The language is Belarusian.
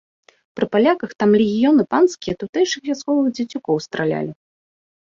Пры паляках там легіёны панскія тутэйшых вясковых дзецюкоў стралялі.